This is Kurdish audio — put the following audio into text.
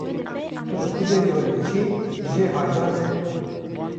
Tu bi ku derê ve diçî jê haydar be.